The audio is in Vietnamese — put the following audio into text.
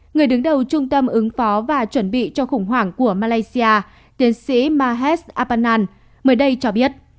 người đứng đầu trung tâm ứng phó và chuẩn bị cho khủng hoảng của malaysia tiến sĩ mahesh abanan mời đây cho biết